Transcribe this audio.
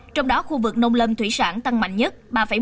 trong đó khu vực nông lâm thủy sản tăng mạnh nhất ba một mươi một